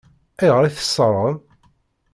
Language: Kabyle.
Ayɣer i t-teṣṣṛem?